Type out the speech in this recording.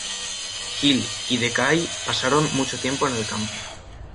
Hill y De Kay pasaron mucho tiempo en el campo.